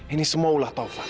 ini semua ulah taufan